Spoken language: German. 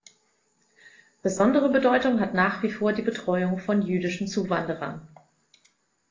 Besondere Bedeutung hat nach wie vor die Betreuung von jüdischen Zuwanderern.